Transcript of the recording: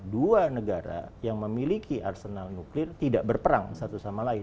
dua negara yang memiliki arsenal nuklir tidak berperang satu sama lain